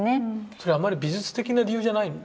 それはあんまり美術的な理由じゃないんですね。